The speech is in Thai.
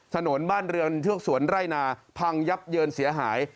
ถนนบ้านเรือนเทือกสวนไร่นาพังยับเยินเสียหาย